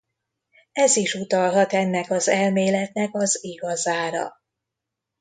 Ez is utalhat ennek az elméletnek az igazára.